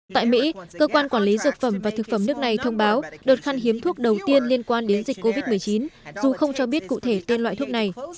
tại mỹ cơ quan quản lý dược phẩm và thực phẩm nước này thông báo đợt khăn hiếm thuốc đầu tiên liên quan đến dịch covid một mươi chín dù không cho biết cụ thể tên loại thuốc này